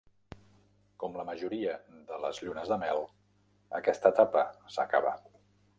Com la majoria de les llunes de mel, aquesta etapa s'acaba.